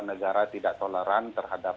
negara tidak toleran terhadap